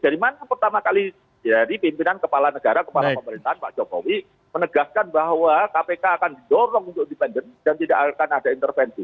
dari mana pertama kali dari pimpinan kepala negara kepala pemerintahan pak jokowi menegaskan bahwa kpk akan didorong untuk independen dan tidak akan ada intervensi